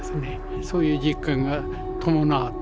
そういう実感が伴ってくる。